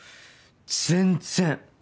全然！